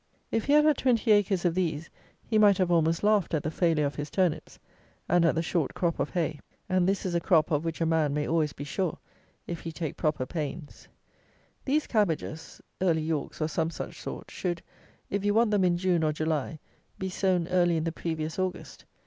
If he had had 20 acres of these, he might have almost laughed at the failure of his turnips, and at the short crop of hay. And this is a crop of which a man may always be sure, if he take proper pains. These cabbages (Early Yorks or some such sort) should, if you want them in June or July, be sown early in the previous August.